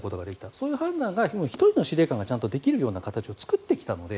そういう判断が１人の司令官でちゃんとできる状況を作ってきたので。